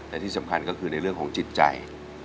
แต่ที่สำคัญก็คือในเรื่องของจิตใจ